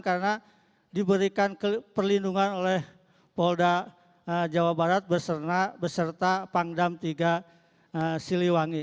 karena diberikan perlindungan oleh pak kapolda jawa barat beserta panglima kodam tiga siliwangi